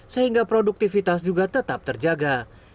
sehingga produktivitas juga tetap terjaga